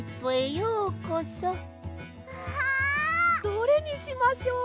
どれにしましょう？